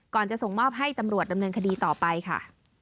จะส่งมอบให้ตำรวจดำเนินคดีต่อไปค่ะ